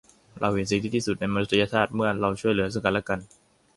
เราเห็นสิ่งที่ดีที่สุดในมนุษยชาติเมื่อเราช่วยเหลือซึ่งกันและกัน